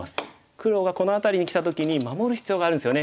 黒がこの辺りにきた時に守る必要があるんですよね。